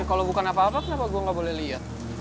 kalo bukan apa apa kenapa gue gak boleh liat